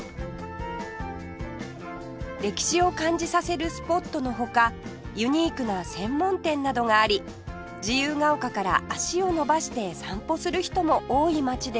歴史を感じさせるスポットの他ユニークな専門店などがあり自由が丘から足を延ばして散歩する人も多い街です